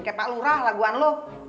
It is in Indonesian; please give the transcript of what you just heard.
ketak lurah laguan lo